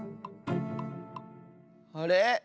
あれ？